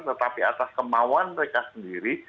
tetapi atas kemauan mereka sendiri